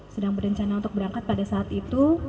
sedang berencana untuk berangkat pada saat itu